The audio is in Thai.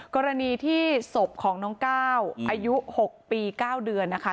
กรณีที่ศพของน้องก้าวอายุ๖ปี๙เดือนนะคะ